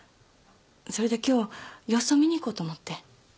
それで今日様子を見に行こうと思って。